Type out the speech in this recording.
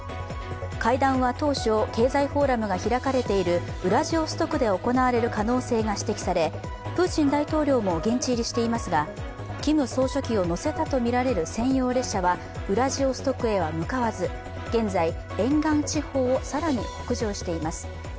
会談は当初、経済フォーラムが開かれているウラジオストクで行われる可能性が指摘されプーチン大統領も現地入りしていますがキム総書記を乗せたとみられる専用列車はウラジオストクへは向かわず、現在、沿岸地方を更に北上しています。